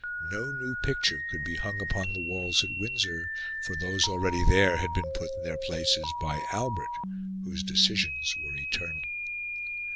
No new picture could be hung upon the walls at Windsor, for those already there had been put in their places by Albert, whose decisions were eternal.